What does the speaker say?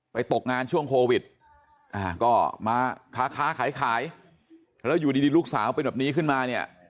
ตกงานช่วงโควิดก็มาค้าขายขายแล้วอยู่ดีลูกสาวเป็นแบบนี้ขึ้นมาเนี่ย